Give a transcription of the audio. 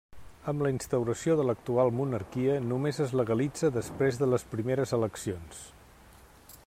Amb la instauració de l'actual monarquia, només es legalitza després de les primeres eleccions.